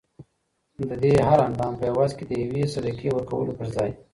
ددې هر هر اندام په عوض کي د یوې یوې صدقې ورکولو په ځای